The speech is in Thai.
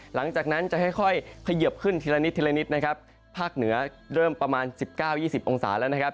หลังจากนั้นจะค่อยเคยียบขึ้นทีละนิดนะครับภาคเหนือเริ่มประมาณ๑๙๒๐องศาแล้วนะครับ